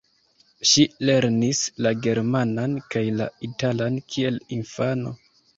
Ŝi lernis la germanan kaj la italan kiel infano.